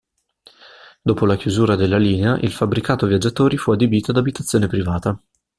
Dopo la chiusura della linea il fabbricato viaggiatori fu adibito ad abitazione privata.